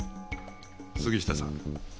杉下さん。